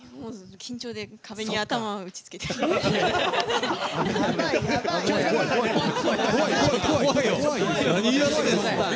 緊張で壁に頭を打ち付けてます。